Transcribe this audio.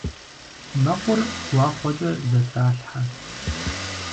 Мэкъур гуахъуэкӏэ зэтралъхьэ.